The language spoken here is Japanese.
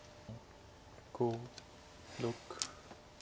５６。